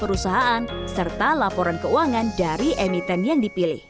pertama anda harus menjadikan fundamental perusahaan serta laporan keuangan dari emiten yang dipilih